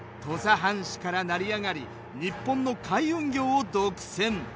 藩士から成り上がり日本の海運業を独占。